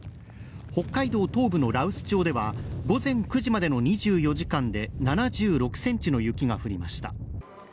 北海道東部の羅臼町では午前９時までの２４時間で７６センチの雪が降りました